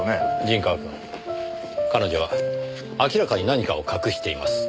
陣川くん彼女は明らかに何かを隠しています。